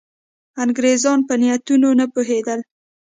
انګرېزان په نیتونو نه پوهېدل.